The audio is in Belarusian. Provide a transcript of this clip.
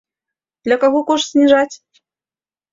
І для каго кошт зніжаць?